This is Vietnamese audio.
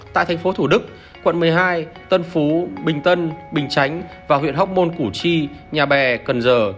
tại thành phố thủ đức quận một mươi hai tân phú bình tân bình chánh và huyện hóc môn củ chi nhà bè cần giờ